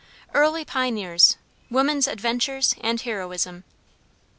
EARLY PIONEERS WOMAN'S ADVENTURES AND HEROISM.